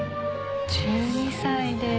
１２歳で。